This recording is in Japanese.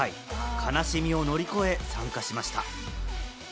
悲しみを乗り越え参加しました。